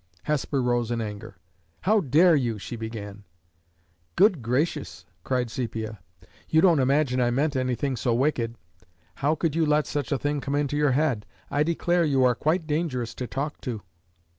Hesper rose in anger. "How dare you " she began. "Good gracious!" cried Sepia, "you don't imagine I meant anything so wicked! How could you let such a thing come into your head? I declare you are quite dangerous to talk to!"